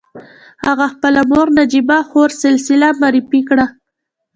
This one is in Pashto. هغه خپله مور نجيبه خور سلسله معرفي کړه.